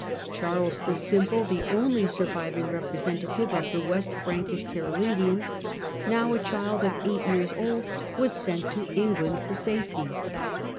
Charles the Simple, the only surviving representative of the West Frankish Carolingians, now a child of eight years old, was sent to England for safety.